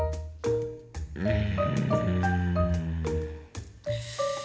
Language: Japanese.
うん。